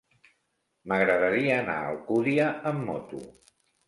M'agradaria anar a Alcúdia amb moto.